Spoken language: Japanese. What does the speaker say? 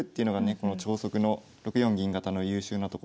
この超速の６四銀型の優秀なところなんですけど。